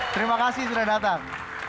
terima kasih sudah datang